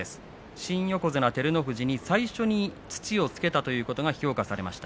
新横綱照ノ富士に最初に土をつけたということが評価されました。